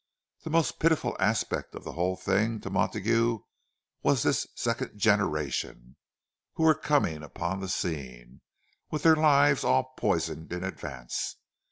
The most pitiful aspect of the whole thing to Montague was this "second generation" who were coming upon the scene, with their lives all poisoned in advance.